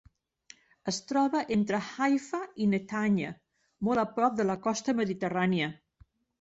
Es troba entre Haifa i Netanya, molt a prop de la costa mediterrània.